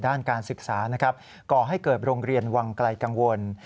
ด้านการศึกษานะครับก่อให้เกิดโรงเรียนวังไกลกังวล